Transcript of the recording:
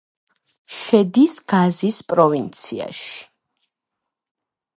შედის გაზის პროვინციაში.